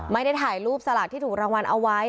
ไม่ได้ถ่ายรูปสลากที่ถูกรางวัลเอาไว้